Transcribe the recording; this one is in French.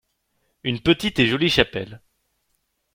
Une petite et jolie chapelle.